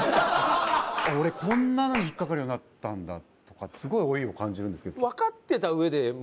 俺こんなのに引っ掛かるようになったんだとかすごい老いを感じるんですけど。